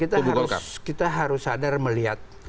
kita harus sadar melihat